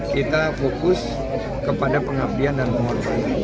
kita fokus kepada pengabdian dan penghormatan